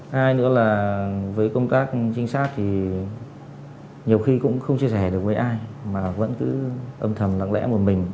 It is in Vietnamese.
hai nữa là với công tác trinh sát thì nhiều khi cũng không chia sẻ được với ai mà vẫn cứ âm thầm lặng lẽ một mình